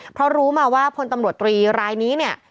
เพราะรู้มาว่าพลตำรวจตรีรายนี้เนี่ย